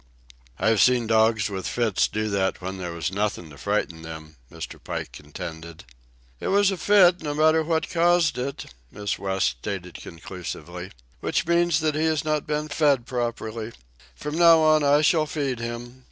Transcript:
"I've seen dogs with fits do that when there was nothing to frighten them," Mr. Pike contended. "It was a fit, no matter what caused it," Miss West stated conclusively. "Which means that he has not been fed properly. From now on I shall feed him.